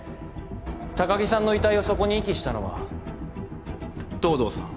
高城さんの遺体をそこに遺棄したのは藤堂さん